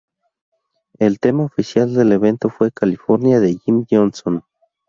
El tema oficial del evento fue "California", de Jim Johnston.